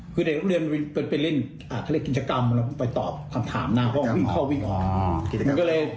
คือในโรงเรียนเป็นเรื่องกิจกรรมไปตอบคำถามหน้าห้องวิ่งเข้าวิ่ง